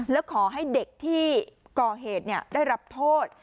แล้วขอให้เด็กที่ก่อเหตุได้รับโทษ